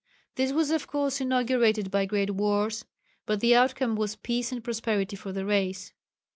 This was of course inaugurated by great wars, but the outcome was peace and prosperity for the race.